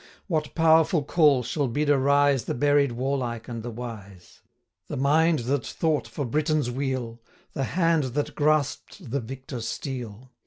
What powerful call shall bid arise The buried warlike and the wise; 60 The mind that thought for Britain's weal, The hand that grasp'd the victor steel?